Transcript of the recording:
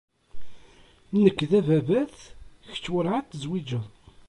Nekk d ababat, kečč werɛad tezwiǧeḍ